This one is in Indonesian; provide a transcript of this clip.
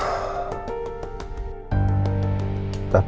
tidak ada yang bisa diberikan kekuatan